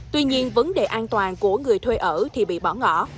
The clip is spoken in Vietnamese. tuy nhiên vấn đề an toàn của người thuê ở thì bị bỏ ngỏ